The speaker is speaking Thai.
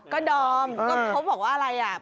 ก็ดอมก็เขาบอกว่าอะไรอ่ะ